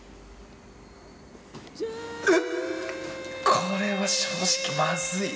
これは正直まずい。